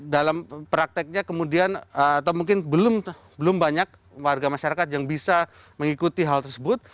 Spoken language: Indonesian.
dalam prakteknya kemudian atau mungkin belum banyak warga masyarakat yang bisa mengikuti hal tersebut